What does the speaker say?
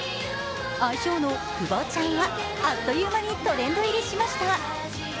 愛称の久保ちゃんは、あっという間にトレンド入りしました。